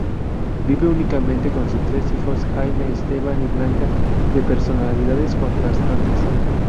Vive únicamente con sus tres hijos, Jaime, Esteban y Blanca, de personalidades contrastantes.